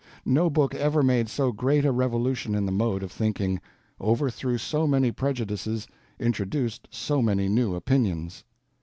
No book ever made so great a revolution in the mode of thinking, overthrew so may prejudices, introduced so many new opinions.